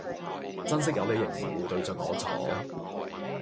珍惜有你仍然會對著我坐